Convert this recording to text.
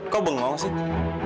kok bengong sih